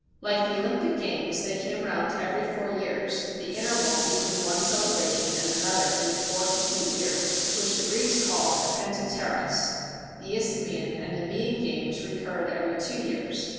Like the Olympic games, they came round every four years (the interval between one celebration and another being four complete years, which the Greeks called a Pentæteris): the Isthmian and Nemean games recurred every two years.